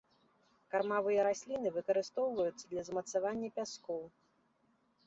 Кармавыя расліны, выкарыстоўваюцца для замацавання пяскоў.